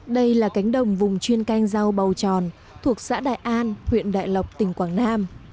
đây là cánh đồng vùng chuyên canh rau bầu tròn thuộc xã đại an huyện đại lộc tỉnh quảng nam